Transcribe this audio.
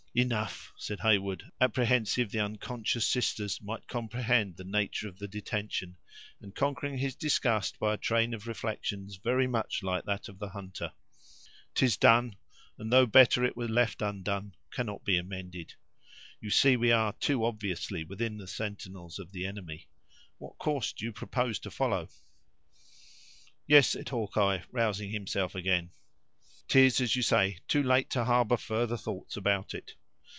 "Enough!" said Heyward, apprehensive the unconscious sisters might comprehend the nature of the detention, and conquering his disgust by a train of reflections very much like that of the hunter; "'tis done; and though better it were left undone, cannot be amended. You see, we are, too obviously within the sentinels of the enemy; what course do you propose to follow?" "Yes," said Hawkeye, rousing himself again; "'tis as you say, too late to harbor further thoughts about it.